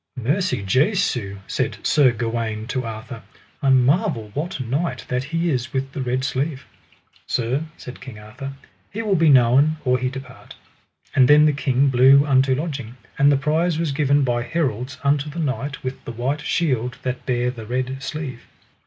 Mercy Jesu, said Sir Gawaine to Arthur, I marvel what knight that he is with the red sleeve. Sir, said King Arthur, he will be known or he depart. And then the king blew unto lodging, and the prize was given by heralds unto the knight with the white shield that bare the red sleeve.